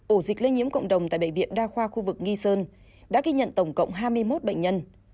ổ dịch lây nhiễm cộng đồng tại bệnh viện đa khoa khu vực nghi sơn đã ghi nhận tổng cộng hai mươi một bệnh nhân